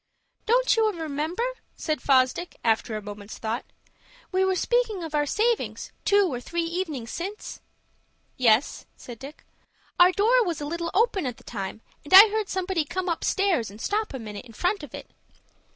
"Don't you remember?" said Fosdick, after a moment's thought, "we were speaking of our savings, two or three evenings since?" "Yes," said Dick. "Our door was a little open at the time, and I heard somebody come upstairs, and stop a minute in front of it.